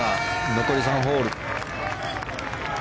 残り３ホール。